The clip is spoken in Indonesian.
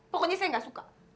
pokoknya saya gak suka